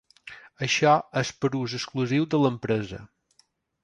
Això és per a ús exclusiu de l'empresa.